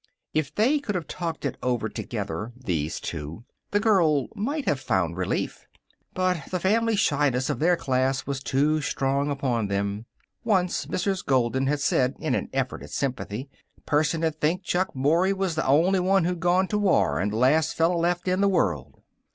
If they could have talked it over together, these two, the girl might have found relief. But the family shyness of their class was too strong upon them. Once Mrs. Golden had said, in an effort at sympathy, "Person'd think Chuck Mory was the only one who'd gone to war an' the last fella left in the world."